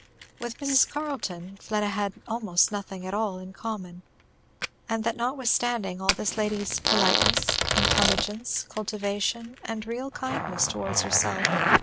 With Mrs. Carleton Fleda had almost nothing at all in common. And that notwithstanding all this lady's politeness, intelligence, cultivation, and real kindness towards herself.